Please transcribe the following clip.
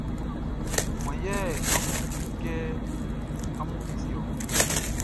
Wan yɛ amun bu i kɛ amun ti ɔ?